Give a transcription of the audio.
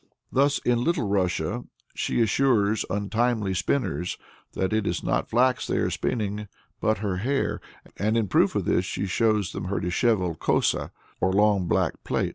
Thus in Little Russia she assures untimely spinners that it is not flax they are spinning, but her hair, and in proof of this she shows them her dishevelled kosa, or long back plait.